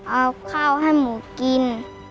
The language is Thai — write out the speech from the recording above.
เอาข้าวให้หมูกิน